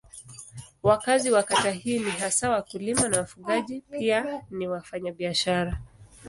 Wakazi wa kata hii ni hasa wakulima na wafugaji pia ni wafanyabiashara.